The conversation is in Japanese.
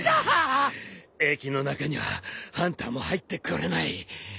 駅の中にはハンターも入ってこれない。